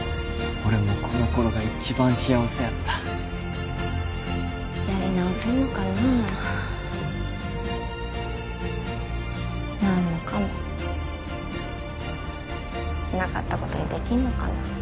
俺もこの頃が一番幸せやったやり直せんのかな何もかもなかったことにできんのかな？